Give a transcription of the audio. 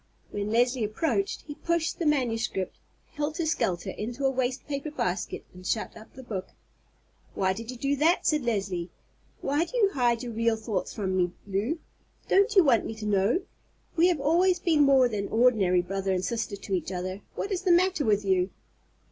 When Leslie approached he pushed the manuscript helter skelter into a waste paper basket and shut up the book. "Why did you do that?" said Leslie; "why do you hide your real thoughts from me, Lew? Don't you want me to know? We have always been more than ordinary brother and sister to each other. What is the matter with you?"